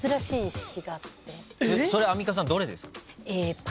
それアンミカさんどれです？